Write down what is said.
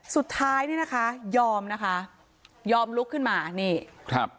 สุดท้ายเนี่ยนะคะยอมนะคะยอมลุกขึ้นมานี่ครับ